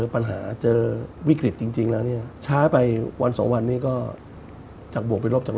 ผมเองกับคุณอุ้งอิ๊งเองเราก็รักกันเหมือนน้อง